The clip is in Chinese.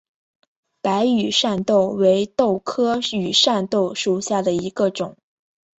白羽扇豆为豆科羽扇豆属下的一个种。